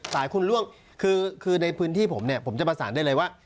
สายคุณล่วงคือในพื้นที่ผมเนี่ยผมจะประสานได้เลยว่า